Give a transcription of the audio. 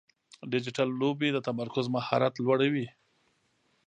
ډیجیټل لوبې د تمرکز مهارت لوړوي.